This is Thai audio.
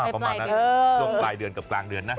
ประมาณนั้นช่วงปลายเดือนกับกลางเดือนนะ